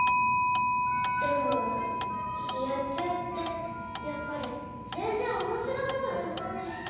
でもやきゅうってやっぱりぜんぜんおもしろそうじゃない。